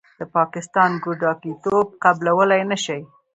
د پاکستان ګوډاګیتوب قبلولې نشي.